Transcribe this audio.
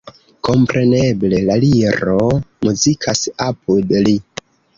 Kompreneble la Liro muzikas apud li.